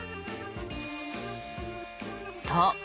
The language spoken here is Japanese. そう。